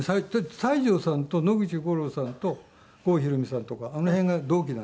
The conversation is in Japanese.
西城さんと野口五郎さんと郷ひろみさんとかあの辺が同期なんですけど。